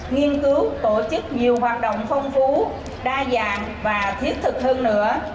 nghiên cứu tổ chức nhiều hoạt động phong phú đa dạng và thiết thực hơn nữa